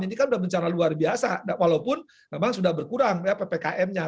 ini kan sudah bencana luar biasa walaupun memang sudah berkurang ya ppkm nya